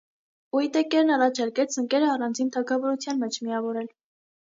Ուիտեկերն առաջարկեց սնկերը առանձին թագավորության մեջ միավորել։